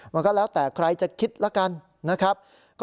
มันก็แล้วแต่ใครจะคิดแล้วกันนะครับ